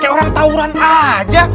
kayak orang tauran aja